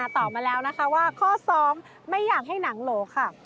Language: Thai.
ตอบมาแล้วนะคะว่าข้อ๒ไม่อยากให้หนังโหลค่ะ